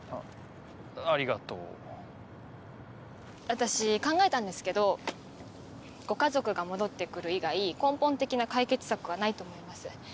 私考えたんですけどご家族が戻って来る以外根本的な解決策はないと思います。